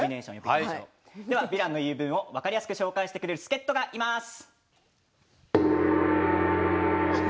「ヴィランの言い分」を分かりやすく紹介してくれる助っとがいます。